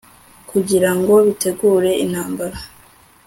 kugira ngo bitegure intambara